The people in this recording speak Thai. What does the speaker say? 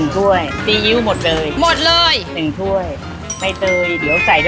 ก็เอาพวกแม่ใส่